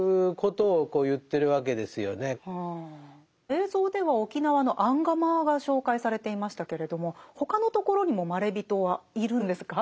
映像では沖縄のアンガマアが紹介されていましたけれども他のところにもまれびとはいるんですか？